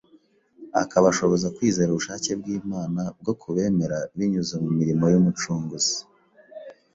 akabashoboza kwizera ubushake bw’Imana bwo kubemera binyuze mu mirimo y’Umucunguzi